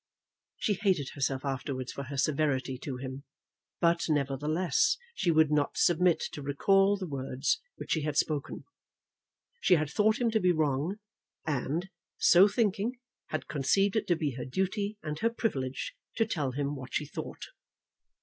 She hated herself afterwards for her severity to him; but, nevertheless, she would not submit to recall the words which she had spoken. She had thought him to be wrong, and, so thinking, had conceived it to be her duty and her privilege to tell him what she thought.